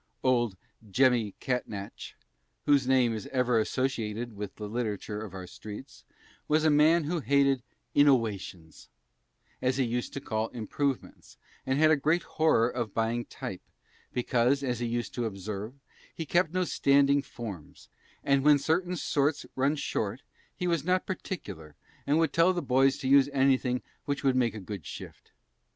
Old "Jemmy" Catnach whose name is ever associated with the literature of our streets was a man who hated "innowations," as he used to call improvements, and had a great horror of buying type, because, as he used to observe, he kept no standing formes, and when certain sorts run short, he was not particular, and would tell the boys to use anything which would make a good shift.